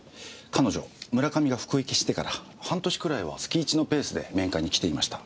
彼女村上が服役してから半年くらいは月一のペースで面会に来ていました。